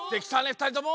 ふたりとも！